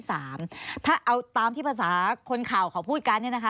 ถ้าเอาตามที่ภาษาคนข่าวเขาพูดกันเนี่ยนะคะ